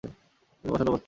তিনি পছন্দ করতেন।